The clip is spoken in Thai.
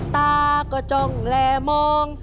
ตาก็จงแหลมอง